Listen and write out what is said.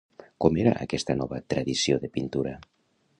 Com era aquesta nova tradició de pintura?